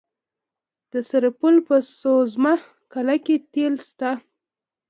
د سرپل په سوزمه قلعه کې تیل شته.